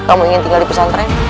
kamu ingin tinggal di pesantren